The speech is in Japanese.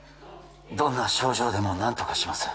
どんな症状でも何とかします